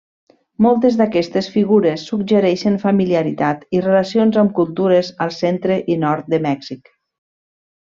Moltes d'aquestes figures suggereixen familiaritat i relacions amb cultures al centre i nord de Mèxic.